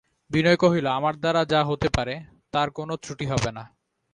বিনয় কহিল, আমার দ্বারা যা হতে পারে তার কোনো ত্রুটি হবে না।